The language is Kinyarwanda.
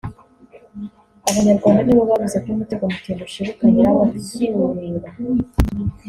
Abanyarwanda nibo bavuze ko umutego mutindi ushibuka nyirawo akiwureba